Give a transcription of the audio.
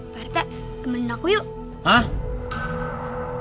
pak rt temenin aku yuk